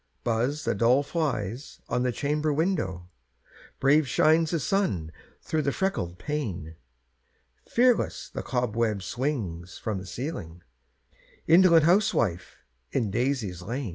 Buzz the dull flies on the chamber window; Brave shines the sun through the freckled pane; Fearless the cobweb swings from the ceiling Indolent housewife, in daisies lain!